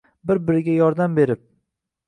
Bir-biriga yordam berib